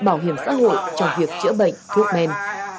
bảo hiểm xã hội trong việc chữa bệnh thuốc men